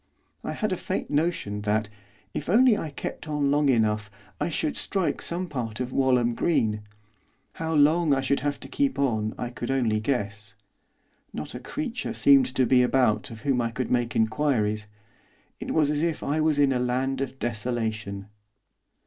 I had a faint notion that, if I only kept on long enough, I should strike some part of Walham Green. How long I should have to keep on I could only guess. Not a creature seemed to be about of whom I could make inquiries. It was as if I was in a land of desolation.